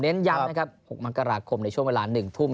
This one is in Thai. เล็งย้ำนะครับหกมักกราคมในช่วงเวลาหนึ่งทุ่ม